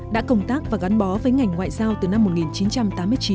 đã công tác và gắn bó với ngành ngoại giao từ năm một nghìn chín trăm tám mươi chín